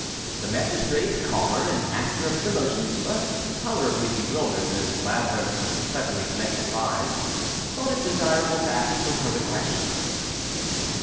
The magistrate, calmer, and master of his emotions, but tolerably bewildered in this labyrinth of cleverly connected lies, thought it desirable to ask some further questions.